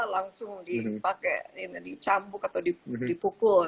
langsung dicampuk atau dipukul